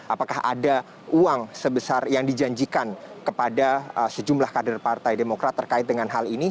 apakah ada uang sebesar yang dijanjikan kepada sejumlah kader partai demokrat terkait dengan hal ini